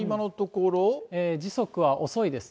時速は遅いですね。